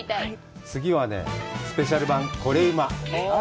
次はね、スペシャル版、「コレうま」！